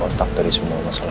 jangan berpikir itu sama sekali